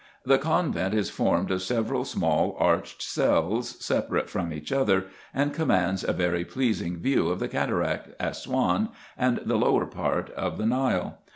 The convent is formed of several small arched cells, separate from each other ; and commands a very pleasing view of the cataract, Assouan, and the lower part of the Nile.